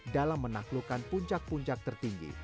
dalam menaklukkan puncak puncak tertinggi